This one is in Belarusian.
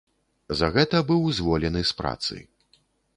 За гэта быў зволены з працы.